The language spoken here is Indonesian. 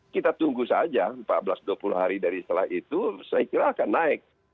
kita tunggu saja empat belas dua puluh hari dari setelah itu saya kira akan naik